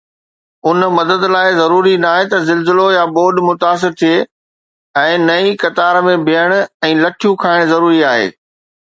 ان مدد لاءِ ضروري ناهي ته زلزلو يا ٻوڏ متاثر ٿئي ۽ نه ئي قطار ۾ بيهڻ ۽ لٺيون کائڻ ضروري آهي.